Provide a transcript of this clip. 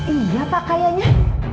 iya pak kayaknya